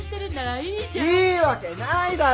いいわけないだろ！